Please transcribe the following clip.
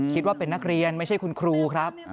คิดว่าเป็นนักเรียนไม่ใช่คุณครูครับ